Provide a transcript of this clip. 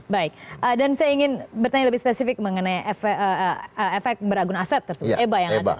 baik dan saya ingin bertanya lebih spesifik mengenai efek beragun aset tersebut eba yang ada